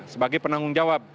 sebagai penanggung jawab